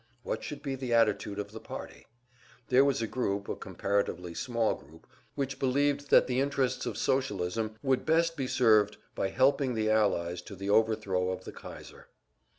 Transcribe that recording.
What should be the attitude of the party? There was a group, a comparatively small group, which believed that the interests of Socialism would best be served by helping the Allies to the overthrow of the Kaiser.